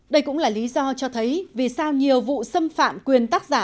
đây cũng là lý do cho thấy vì sao nhiều vụ xâm phạm quyền tác giả